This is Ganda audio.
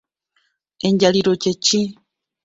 Enjaliiro kye ki?